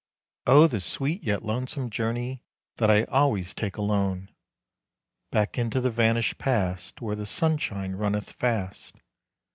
Oh! the sweet, yet lonesome journey That I always take alone! Back into the vanished past, Where the sunshine runneth fast.